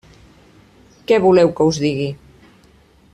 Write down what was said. Què voleu que us digui?